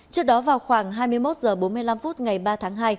trước đó vào khoảng hai mươi một h bốn mươi năm phút ngày ba tháng hai